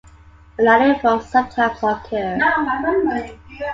Melanic forms sometimes occur.